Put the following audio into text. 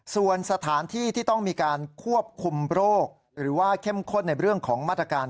ส่วนสถานที่ที่ต้องมีการควบคุมโรคหรือว่าเข้มข้นในเรื่องของมาตรการ